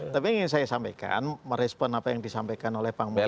tapi ingin saya sampaikan merespon apa yang disampaikan oleh pak mungkinkan tadi